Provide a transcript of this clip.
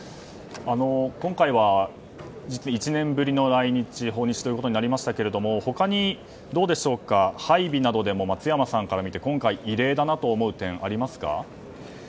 今回は、実に１年ぶりの訪日となりましたけれども他に配備などでも松山さんから見て今回異例だと思う点ありますか？